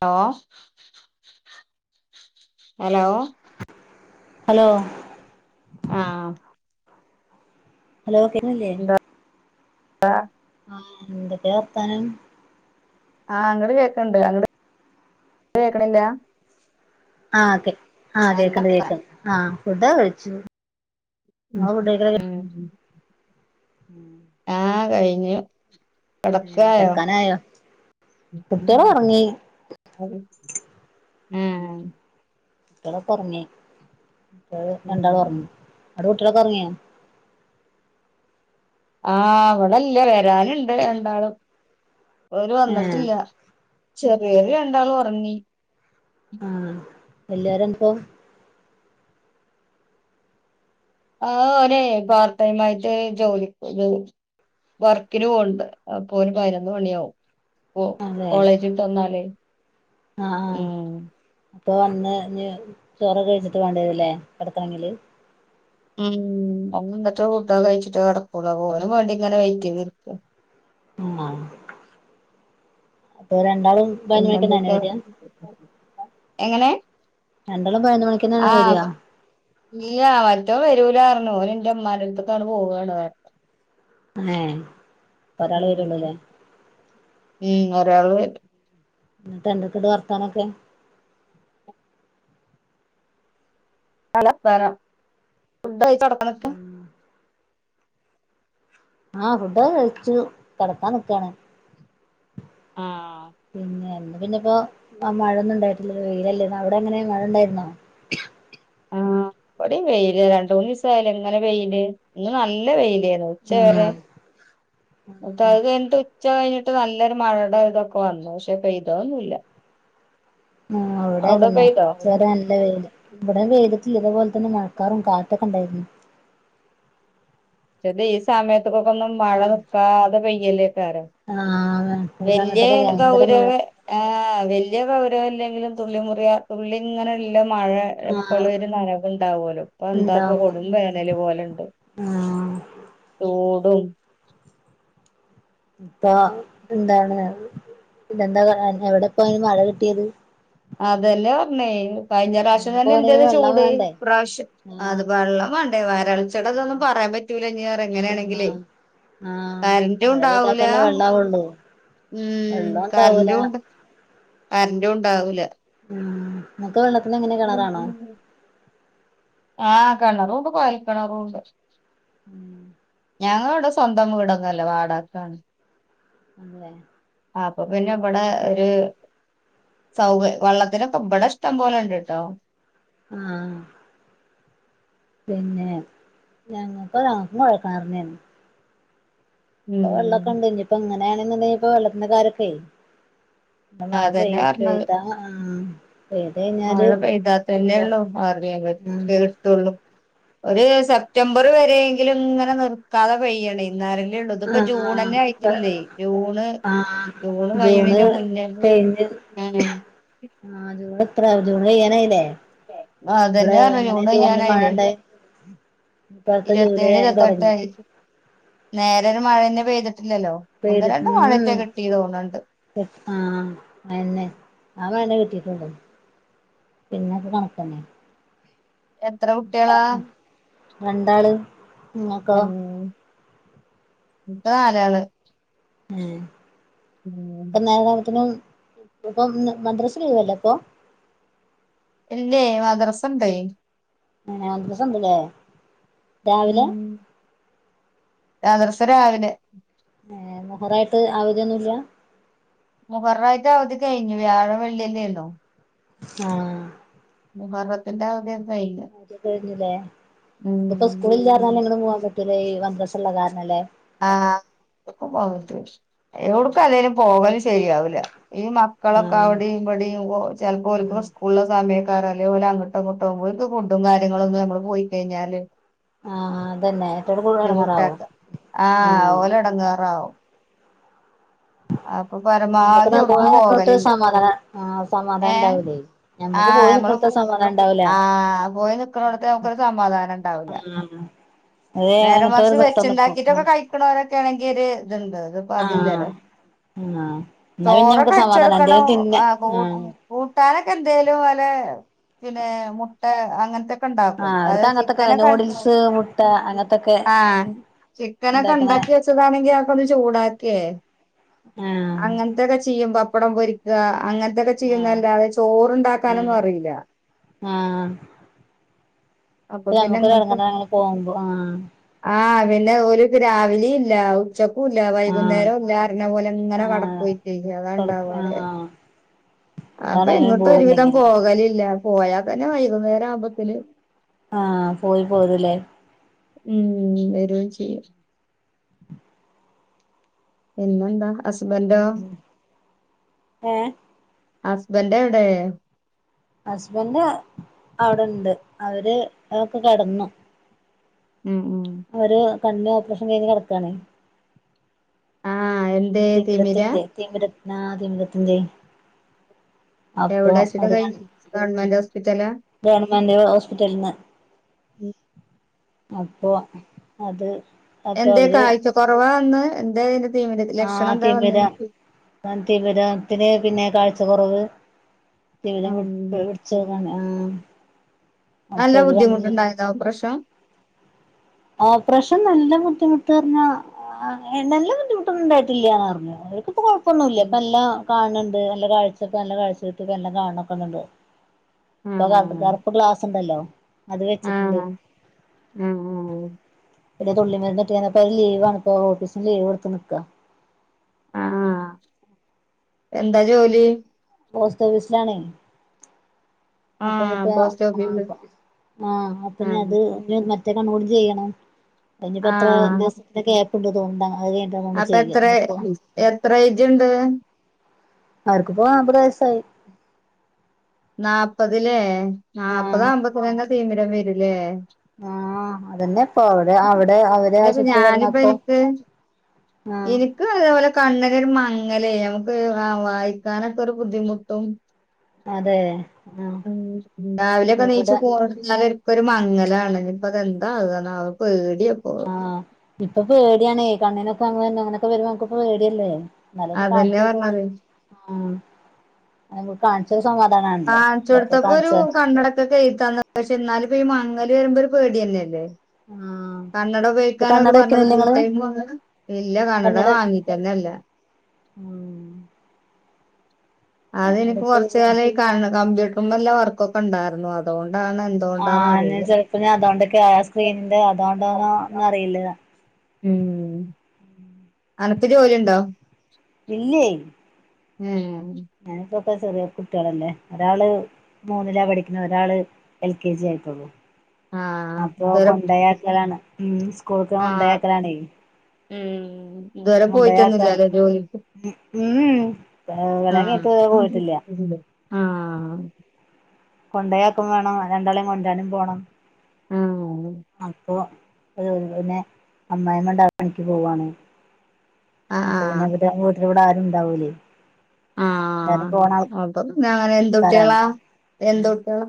Hello hello hello ആ hello കേണില്ലേ ആ ആ എന്തൊക്കെ വർത്താനം ആ ഇങ്ങട് കേക്കണണ്ട് അങ്ങട് കേക്കണില്ല ആ ആഹ് നല്ല കേക്കണ്ട് വർത്താനം കേക്ക ആഹ് ഫുഡ് കഴിച്ചു ഉം ആ ഉം കഴിഞ്ഞു കെടക്കായോ അത് കെടക്കാനായോ കുട്ടികള് ഒറങ്ങി ഉം ഇപ്പള ഉറങ്ങേ ഇപ്പള് രണ്ടാള് ഉറങ്ങി അവിടെ വീട്ടിലൊക്കെ ഉറങ്ങിയാ ആ അവളല്ല വരാനുണ്ട് രണ്ടാളും അവര് ഏഹ് വന്നിട്ടില്ല ചെറിയാള് രണ്ടാൾ ഉറങ്ങി ആ എല്ലാരുംപ്പോ ആ ഒനേ വാർത്തമായിട്ട് ജോലി ഇത് വർക്കിന് പോണ്ട് അപ്പൊ ഓന് പതിനൊന്ന് മണിയാവും അതെ കോളേജ് ആഹ് വിട്ട് വന്നാലെ ഉം ഇപ്പ വന്ന് ചോറ് കഴിച്ചിട്ട് വേണ്ടി വരല്ലേ കെടക്കണമെങ്കില് ഉം ഓൻ വന്നിട്ട് ഫുഡ് കഴിച്ചിട്ട് കിടക്കുള്ളൂ അപ്പൊ ഓനും വേണ്ടി ഇങ്ങനെ വെറ്റ് ചെയ്ത്ക്ക മാ അപ്പൊ ര [unintelligible] ണ്ടളും പതിനൊന്ന് മണിക്കന്നെ പിന്നെന്തൊക്കെ വര [unintelligible] എങ്ങനെ ആ വരിക നീയാവാ വരൂലാർഞ്ഞു ഓന് എന്റെ ഉമ്മൻ്റെ അടുത്ത്ക്ക് അങ്ങട് പോവാണ് ഏ ഒരാളെ ഉം വരുള്ളൂല്ലേ ഉം ഒരാള് എന്നിട്ട് എന്തൊക്കെണ്ട് വർത്താനൊക്കെ നല്ല വർത്താനം ഫുഡ് കഴി- ഉം ആ ഫുഡൊക്കെ കഴിച്ചു കിടക്കാനിക്കാണ് ആ പിന്ന ഇപ്പോ മഴൊന്നും ഉണ്ടായിട്ടില്ല വെയിലല്ലരുന്നു അവിടെ അങ്ങനെ മഴ ഉണ്ടായിരുന്നോ ആ ഇവിടേം വെയില് രണ്ട് മൂന്ന് ദിവസായല്ലോ ഇങ്ങനെ വെയില് ഇന്ന് നല്ല വെയില് ഓ ഉച്ച വരെ ആഹ് ന്നിട്ട് അത് കഴിഞ്ഞിട്ട് ഉച്ച കഴിഞ്ഞിട്ട്- നല്ലൊരു മഴയുടെ ഇതൊക്കെ വന്നു പക്ഷെ പെയ്തൊന്നുല്ല ആ അവിടെ അവടെ തന്നെ പെയ്തോ? ഉച്ച വരെ പക്ഷെ നല്ല വെയിൽ ഇവിടെ വെയിലത്തി ഇതേപോലെ തന്നെ മഴക്കാറും കാറ്റും ഒറ്റൊക്കെ ഉണ്ടായിരുന്നു പക്ഷെത് ഈ സമയത്ത്ക്ക്ക്കൊന്നും മഴ നിക്കാതെ പെയ്യല്ലേ ആഹ് ഈ വലിയ സമയത്തൊക്കെ ഭയങ്കര മഴ ഗൗരവ് ആഹ് വലിയ ഗൗരവ് ഇല്ലെങ്കിലും തുള്ളി മുറിയാ തുള്ളി ഇങ്ങനെയല്ല മഴ എപ്പോൾ ആഹ് ഒരു നനവുണ്ടാവലോ ഇപ്പൊ എന്താപ്പ ഉണ്ടാവും കൊടും വേനൽ പോലെ ഉണ്ട് ആഹ് ചൂടും ഇപ്പൊ എന്താണ് ഇതെന്താ എവിടെപ്പോ അയിന് മഴ കിട്ടിയത് അതന്നേ പറഞ്ഞേ കഴിഞ്ഞ പ്രാവശ്യം അങ്ങനെ തന്നെ പോണെങ്കി എന്തരു വെള്ളം ചൂട് വേണ്ടേ ഇപ്രാവശ്യം ആഹ് അത് വെള്ളം വേണ്ടേ വരൾച്ചയുടെ അതൊന്നും പറയാൻ യാൻ പറ്റൂല ഞ്ഞറെയങ്കിലാന്നെങ്കില് ആ മഴ പെയ്താത്തന്നെ വെള്ളാവള്ളൂ ഉം കറന്റു കറന്റും ഉണ്ടാവൂല ഉം ഇങ്ങക്ക് വെള്ളത്തിന് എങ്ങനെ കിണറാണോ? ആ കിണറുണ്ട് കുഴൽകിണറുണ്ട് ഉം ഞങ്ങൾ ഇവിടെ സ്വന്തം വിടൊന്നുമല്ല വാടാകയ്ക്കാണ് അല്ലേ ആ അപ്പൊ പിന്നെ ഇവിടെ ഒരു സൗക വെള്ളത്തിനൊക്കെ ഇവിടെ വെള്ളം ഇഷ്ടം പോലെ ഉണ്ട്ട്ടോ ആഹ് പിന്നെ ഞങ്ങക്ക് ഞങ്ങൾക്കും കുഴൽ കിണറ് തന്നെ ഇപ്പൊ വെള്ളൊക്കെ ഉം ഉണ്ട് ഇനി ഇപ്പം ഇങ്ങനെയണണ്ടെ ഇപ്പ വെള്ളത്തിന്റെ കാര്യ ഒക്കെ അതന്നെ മഴപെയ് പറഞ്ഞത് പെയ്ത ആഹ് പെയ്ത് മഴ കഴിഞ്ഞാല് പെയ്താത്തതന്നേ ഇപ്പോ ഉള്ളൂ അറിയ ഉം [unintelligible] ത്തുള്ളൂ ഒരു സെപ്റ്റംബർ വരെയങ്കിലും ഇങ്ങനെ നിർക്കാതെ പെയ്യണം ഇന്നാലേ ളേള്ളൂ ഇതി ഇപ്പ ജൂൺന്നെ ആഹ് ആയിട്ടില്ലേ ജൂണ് ആഹ് ജൂണ് കഴിയണന്റെ മുന്നെ ഉം കഴിഞ്ഞ് ആഹ് ജൂൺ കയ്യനായില്ലേ ആ അതെന്നെ പറഞ്ഞ ജൂൺ കഴിയാനായില്ലേ ഉണ്ടായി ഇപ്പ അടുത്ത ജൂലൈ ഇരുപത്തിേഴ് ആയി ഇരുപത്തെട്ട് തുടങ്ങി ആയി നേരെ ഒരു മഴെന്ന പെയ്തിട്ട പെയ്തിട്ടും തോന്നുന്നുണ്ട് ആ അത് തന്നെ ആ മയ കിട്ടിട്ടെള്ളു പിന്നെ ഒക്കെ കണക്ക് തന്നെ എത്ര കുട്ടിളാ? രണ്ടാള് [unintelligible] നിങ്ങക്കോ ഇൻക്ക് നാലാള്. മ് ഉം ഇപ്പ നാലെണ്ണത്തിനും ഇപ്പപ്പം മദ്രസ ലീവല്ലേ ഇപ്പൊ? ഇല്ലേ മദ്റസ് ഇണ്ട്. ഏഹ് മദ്രസ് ഇണ്ട്ല്ലേ. രാവിലെ മദറസ രാവിലെ. ഏഹ് മുഹറായിട്ട് ആവധിയൊന്നുല്ല? മുഹറായിട്ട് അവധി കഴിഞ്ഞ് വ്യാഴും വെള്ളിയല്ലേര്ന്നു. ആഹ് മുഹറത്തിന്റെ അവധി എ അത് കഴിഞ്ഞ്ലെ ഇതിപ്പോ ഉം ഉം. സ്കൂളില്ലാർന്നാല് എങ്ങട് പോവാൻ പ ത്ത്ലെ മദ്രസ ഇള്ള കാരണ അല്ലേ. ആഹ് ഒക്കുംപോവര്ത് എവ്ട്ക്കും അല്ലേല് പോവല് ശെരിയാവൂല. ഈ മക്കളൊക്കെ ആഹ് അവിടെയും ഇവിടെയും ഒ ചെലപ്പ ഉം ഓൽക്ക് സ്കൂളില സമയം ക്കാരെ ഓല് അങ്ങട്ടോ ഇങ്ങട്ടോ പോയി ഓൽക്ക് ഫുഡും കാര്ങ്ങളൊന്നും നമ്മള് പോയി കഴഞ്ഞാല് ആ അതന്നെ [unintelligible] കൂടെ എടങ്ങറാവും ആ ആഹ് ഓല് എടങ്ങേറാവും അപ്പൊ നമുക്ക് പരമാവധി എവിട്ക്കും പോയി നിക്കോട്ത്ത് പോകലില്ല സമാധാനം ആഹ് സമാധാനം ഏ ഉണ്ടാവൂലേ ആ ഞമ്മക്ക് പോയി നമ്മള് നിക്കോട്ത്ത് സമാധാനം ഉണ്ടാവൂല ആ പോയി നിക്കണോടത്ത് നമക്കൊരു സമാധാനം ഉണ്ടാവില്ല അത് നേരെ എങ്ങട്ടോര് മറിച്ച് നിർത്തം നിക്കും വെച്ചണ്ടാക്കിട്ടൊക്കെ ആഹ് കഴിക്കണവരൊക്കെ ആണെങ്കി ഇതുണ്ട ഇതിപ്പതില്ലല്ലോ ആഹ് ആഹ് എന്നാ പിന്നെ ചോറക്കെ നമുക്കൊരു വെച്ച് സമാധാനം കൊടുക്കണം എന്തേലും തിന്ന ആ ആഹ് കൂട്ടാനൊക്കെ എന്തേലും പല പിന്നെ മുട്ട അങ്ങനത്തെക്ക ആ അവർക്ക് അങ്ങനത്തൊക്കെ നൂഡിൽസ് മുട്ട അങ്ങനത്തൊക്കെ ആഹ് ചിക്കനൊക്കെ ഇണ്ടാക്കണ ഉണ്ടാക്കി വെച്ചതാണെങ്കി ആക്ക ഒന്ന് ചൂടാക്കിയേ ആഹ് അങ്ങനത്തൊക്കെ ചെയ്യും പപ്പടം പൊരിക്കുക അങ്ങനത്തൊക്കെ ആഹ് ചെയ്യുംല്ലാതെ ചോറണ്ടാക്കാനൊ ന്നും അറിയില്ല ആ അപ്പൊ പിന്നെങ്ങൻത്തെ പോകുമ്പോ ആഹ് ആ പിന്നെ ഓര്ക്ക് രാവിലെ ഇല്ല ഉച്ചക്കൂല്ല ആഹ് വൈകുന്നേരോല്ല അർഞ്ഞ പോലെ ഇങ്ങനെ ആഹ് [unintelligible] കൊടുക്ക അതാണ്ടാവ [unintelligible] ആഹ് അപ്പൊ എന്താണ് എങ്ങനും എങ്ങോട്ടും ഒരുവിധം പോയിണ്ടെങ്കില് പോകലില്ല പോയാൽ തന്നെ വൈകുന്നേരം ആവുമ്പത്തിന് ആ പോയി പോയ്തല്ലേ ഉം വരയും ചെയ്യും പിന്നെന്താ ഹസ്ബൻന്റൊ ഹസ്ബൻന്റ് എവിടെ ഹസ്ബൻറ് അവിടെണ്ട് അവര് ഒക്കെ കിടന്നു ഉം ഉം അവര് കണ്ണും ഓപ്പറേഷൻ കഴഞ്ഞ് കിടക്കണേ ആഹ് എന്തേ തിമിരാ തിമിരത്തിന്റെ തിമിര ആ തിമിരത്തിന്റെ അപ്പൊ എവിടെ വെച്ചിട്ടാ കഴി [unintelligible] ഗവൺമെന്റ് ഹോസ്പിറ്റലാ ഗവൺമെന്റ് ഹോസ്പിറ്റൽന്ന് ഉം അപ്പൊ അത് അപ്പൊ എന്തെ കാഴ്ച കൊറവാന്ന് എന്തെ ആ തിമിരം തിമിരത്തിനു പിന്നെ കാഴ്ച കൊറവ് തിമിരം ഉം വിടിച്ചോക്ക ആ നല്ല ബുദ്ധിമുട്ടുണ്ടായത [unintelligible] ഓപ്പറേഷൻ നല്ല ബുദ്ധിമുട്ട് പറഞ്ഞാ ആ നല്ല ബുദ്ധിമുട്ടൊന്നുണ്ടായിട്ടില്ലന്ന് പറഞ്ഞു അവർക്കിപ്പൊ കൊഴ പ്പൊന്നുല്ല ഇപ്പ എല്ലാം കാൺണണ്ട് നല്ല കാഴ്ചപ്പ നല്ല കാഴ്ച കിട്ടി എല്ലാം കാൺന്നൊക്കെണ്ട് ഇപ്പൊ ക ആഹ് കറുപ്പ് ഗ്ലാസ്ണ്ടല്ലോ അത് വെച്ചിട്ടുണ്ട് ആഹ് ഉം ഉം പിന്നെ തുള്ളി മരുന്ന് [unintelligible] അത് ലീവണ ഇപ്പ ഓഫീസിന് ലീവ് എടുത്ത് നിക്കാ ആ എന്താ ജോലി പോസ്റ്റ് ഓഫീസിലാണെയ് അപ്പനി ആഹ് ഇപ്പ ആ പോസ്റ്റ് ഓഫീസ് ആ അപ്പന്നി ആഹ് അത് റ്റെ കണ്ണ് കൂടി ചെയ്യണം അനിപ്പ എത്ര ദിവസത്തി കേപ്പുണ്ട് തോന്ന അപ്പ എത്ര എത്ര ഏജുണ്ട് അവർക്കിപ്പോ അമ്പത് വയസായി നാല്പതിലേ നാല്പ്പത് ആഹ് [unintelligible] തിമിരം വരുല്ലേ ആഹ് അതന്നെ ഇപ്പൊ അവിടെ അവിടെ അവര് [unintelligible] ആശുപത്രി ഞാനിപ്പ കിടന്നപ്പോ ഇനിക്ക് ആഹ് ഇനിക്ക് അതേപോലെ കണ്ണനൊരു മ ങ്ങല് നമുക്ക് ആ വായിക്കാനൊക്കെ ഒരു ബുദ്ധിമുട്ടും അതെ ആഹ് ഉം രാവിലെ ഒക്കെ നീച്ച് ഇവിടെ [unintelligible] ഇപ്പൊ ഒരു മങ്ങലാണ് ഇനീപ്പം ഇതെന്താ ആകന്നാവ ഒരു പേടി ആഹ് ഇപ്പൊ പേടിയാണേ കണ്ണിനൊക്കെ [unintelligible] അങ്ങനൊക്കെ വരുമ്പം നമ്മക്ക് പേടിയല്ലേ ഇന്നലോന്നു അതന്നെ കാണിചോക്കണ്ട് പറഞ്ഞത് ആ [unintelligible] കാണിച്ച കാൺച്ചോട്ത്തപ്പൊരു കണ്ണടക്കൊക്കെ എഴുതി തന്നു പക്ഷെ ഇന്നാല് ഇപ്പ ഈ മങ്ങ ലേര്മ്പ ഒരു പേടി തന്നെ അല്ലേ. ആഹ് കണ്ണട ഇത് ഉപയോഗിക്കാനാ ഓല് കണ്ണട പറഞ്ഞത്. വെക്കണില്ലേ ഫുൾ നിങ്ങള് ടൈം ഒന്ന് ഇല്ല കണ്ണട വാങ്ങീട്ടന്നെ ഇല്ല. ഉം അതെനിക്ക് കണ്ണടക്ക് കൊർച്ച് കാല ഈ കണ്ണ് കമ്പ്യൂട്ടർമല്ല വർക്കൊക്കെ ഇണ്ടായിരുന്നു. അതോണ്ട് ആഹ് ഇഞ്ഞ് ചെൽപ്പ ഇഞ്ഞ് അതോണ്ടൊക്കെ ആയ ആ സ്ക്രീനിന്റെ അതോണ്ടോന്നോന്ന് അറിയില്ല. മ് അനക്ക് ജോലിണ്ടോ? ഇല്ലേയ് ഏഹ് ഒക്ക ചെറിയ കുട്ടികളല്ലേ ഒരാള് മൂന്നിലാ പഠിക്കുന്നത് ഒരാള് എൽ കെ ജി ആയിട്ടൊള്ളൂ ആഹ് അപ്പൊ ഇതുവരെ കൊണ്ടയാക്കലാണ് ഉം സ്കൂൾക്ക് കൊണ്ടോയ് ആഹ് ആക്കലാണെയ് ഉം ഇതുവരെ പോയിട്ടന്നുല്ല ലെ ജോലിക്ക് ഉം ഇവലെഒന്നും ആഹ് ഇട്ട് പോയിട്ടില്ല ആഹ് കൊണ്ടെയ്ആക്കും വേണം രണ്ടാളും കൊണ്ട് വരാനും പോണം ആഹ് അപ്പൊ [unintelligible] അമ്മായിമ്മ ടാർ പണിക്ക് പോവാണ് ആഹ് അപ്പൊ പിന്നെ ആഹ് ഇവരെ വീട്ടിൽ ഇവടെ ആരും ഇണ്ടാവൂലേ ആഹ് അപ്പ പിന്നെ അങ്ങനെ എന്ത് ആൾക്കാരാണ് കുട്ടികളാ എന്ത്‌ ഉം കുട്ടികള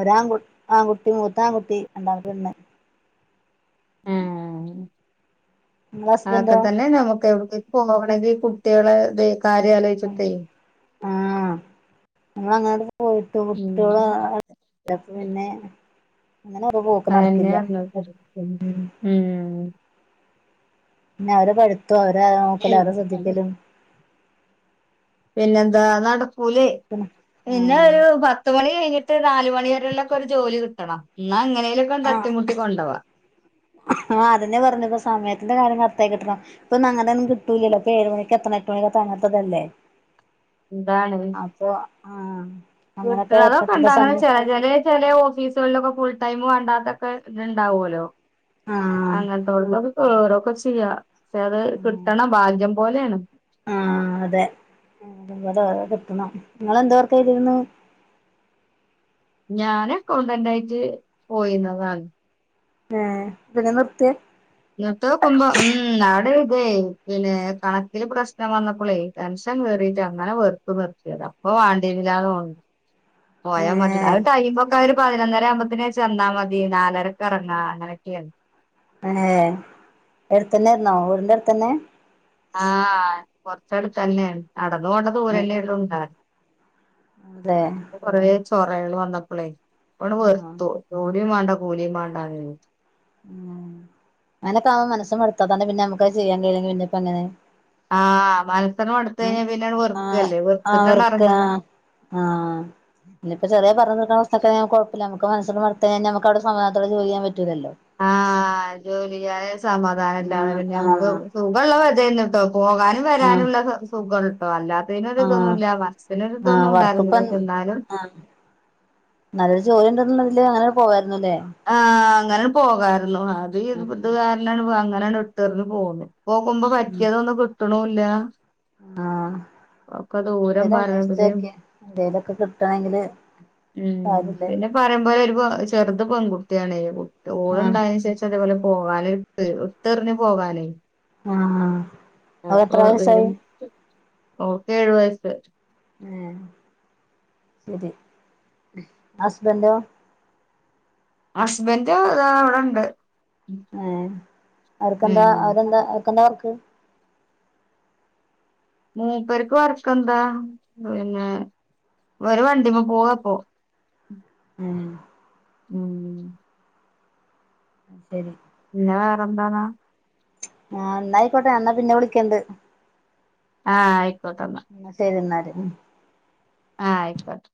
ഒരാൺകു ആൺകുട്ടി മൂത്ത ആൺകുട്ടി രണ്ടാമത്തെ പെണ്ണ് ഏഹ് നിങ്ങളെ അതൊക്കെ ഹസ്ബന്റോ തന്നെ നമുക്ക് എവിട്ക്കേം പോകണെങ്കിൽ കുട്ടികളെ ഇത് കാര്യാലോയ്‌ച്ചിട്ടെയ് ആഹ് ഞമ്മൾ അങ്ങനെ പോയിട്ട് കുട്ടി ഓളും പിന്നെ അങ്ങനൊക്കെ പോക്ക് അതന്നെ നടക്കില്ല പറഞ്ഞത് ഉം ഉം പിന്നെ അവരെ പഠിത്തോ അവരെ നോക്കൽ അവരെ ശ്രദ്ധിക്കലും പിന്നെന്താ നടക്കൂലെ പിന്നെ ആഹ് ഒരു പത്തുമണി കഴിഞ്ഞിട്ട് ട്ട് നാല് മണി വരെ യുള്ള ഒക്കെ ഒരു ജോലി കിട്ടണം എന്നാ എങ്ങനെലൊക്കെ ആഹ് തട്ടിമുട്ടി കൊണ്ടോവാ ആ അതെന്നെ പറഞ്ഞ് സമയ അന്റെ കാര്യ കററ്റായി കിട്ടണം ഇപ്പൊന്നും അങ്ങനൊന്നും കിട്ടൂലല്ലോപ്പൊ ഏഴ് മണിക്ക് എത്തണം എട്ട്മണിക്ക് അങ്ങനത്തതല്ലേ എന്താണ് ആഹ കിട്ട്ണതൊക്കെണ്ട് അങ്ങെനെ ചെറിയ ചെറിയ ചെറിയ ഓഫീസുകളിലൊക്കെ ഫുൾ ടൈം- ഇണ്ടാത്തൊ [unintelligible] ക്കെ ഇത്ണ്ടാവോലോ ആഹ് അങ്ങനത്തോള്ളതു കേറുയൊക്കെ ചെയ്യാം പക്ഷെ അത് ആഹ് കിട്ടണ ഭാഗ്യം പോലെയാണ് ആഹ് നിങ്ങളെന്താ വർക്ക്‌ ചെയ്തിരുന്നേ ഞാന് അക്കൗണ്ടന്റ് ആയിട്ട് പോയിരുന്നതാണ് ഏ പിന്നെ നിർത്തിയെ നിർത്തിയ നോക്കുമ്പോ ഉം അവിടെ ഇതേ പിന്നെ കണക്കില് പ്രശ്നം വന്നപ്പോളേ ടെൻഷൻ ഷൻ കേറിട്ട അങ്ങനെ വെറുതെ നിർത്തിയത അപ്പൊ വേണ്ടിയിരുന്നില്ലന്ന് തോനുണ് പോയാ മതി ഏഹ് അത് ടൈംമും ഒരു പതിനൊന്നര ആവുമ്പോത്തനേ ചെന്നാ മതി നാലരക്ക് എറങ്ങാം അങ്ങനെയൊക്കെയാണ് ഹ് ഹേ അടുത്തന്നെയായി [unintelligible] രുന്നോ വീടിന്റെ അടുത്തന്നെ ആഹ് കൊറച്ചടുത്തന്നെ നടന്നു പോവണ്ട ദൂരവെല്ലേയുള്ളു അതെ കൊറേ ചോറായിരുന്നു വന്നപ്പളേ അവിടെ ആഹ് വെർത്തു നൂ - ജോലിയും വേണ്ട കൂലിയും വേണ്ടാഞ്ഞ് ഉ അങ്ങനെക്കാകുമ്പോ മനസ്സ് മടുക്കും തന്നെ പിന്നെ നമ്മുക്കത് ചെയ്യാൻ കഴില്ലെങ്കി പിന്നെപ്പെങ്ങനെ ആഹ് മന സെക്കെ മടുത്തു കഴിഞ്ഞാൽ പിന്നാങ്ങ് ആഹ് വെറുക്കല്ലേ വെറത്തിട്ടാണ് അവർക്ക് ഇറങ്ങും ആഹ് ആഹ് ഇനിയിപ്പ ചെറിയ പറഞ്ഞ അതക്കെ കുഴപ്പില്ല നമുക്ക് മനസ്സങ്ങട്ട് മടുത്തു കഴിഞ്ഞ നമക്ക് അവിടെ സമാധാനത്തോടെ ജോലി ചെയ്യാൻ പറ്റില്ലല്ലോ ശരിയായ സമാധാനം ഇല്ലാതെ പിന്നെ നമുക്ക് സുഖമുള്ള വജ്ജെന്നു പോകാനും ആഹ് വരാനുള്ള സുഖോള്ളുട്ടോ അല്ലാത്ത തിനൊരു ആഹ് തൊന്നുമില്ല മനസ്സിനൊരു ആഹ് തോന്നുംണ്ടായിരുന്നു പക്ഷെ എന്നാലും നല്ല ജോലി ഉണ്ടൊന്നുമില്ലെ അങ്ങനെ പോകാരുന്നു ആ അങ്ങന പോകാരുന്നു അതീ ഇരുപതുകാരനാണ് അങ്ങനാണ് ഇട്ടെറിഞ്ഞു പോന്നു പോകുമ്പം പറ്റിയതൊന്നും കിട്ടണുമില്ല ആ എന്തേലും പറഞ്ഞപ്പഴേ അന്വേഷിച്ചോക്കിയേ എന്തേലൊക്കെ കിട്ടണെങ്കില് ഉം കാര്യല്ലേ പിന്നെ പറയുമ്പോലെ [unintelligible] ഒരു ചെറു ഇതു പെൺകുട്ടിയാണേ ആഹ് ഓളുണ്ടായതിനു ശേഷം അതേപോലെ പോകാനും ഇട്ടെറിഞ്ഞു പോകാനേ ആ അപ്പൊ വരും ഓക്കേഴു വയസ്സ് ആ ശരി ഹസ്ബൻഡോ ഹസ്ബന്റ് ദാ ഇവിടൊണ്ട് ഏ അവർക്കെന്താ ഉം അവരെന്താ അവർക്കെന്താ വർക്ക് മൂപ്പർക്ക് വർക്കെന്താ പിന്നെ അവരെ വണ്ടിമ്മേ പോവാ ഇപ്പോ ഉം ഉം ശരി പിന്നെ വേറെന്താന്നാണ് ആ എന്നായിക്കോട്ടെ എന്നാ പിന്നെ വിളിക്കണ്ട് ആ ആയി എന്ന ശരിയെലെന്നാലേ ആ ആയിക്കോട്ടെ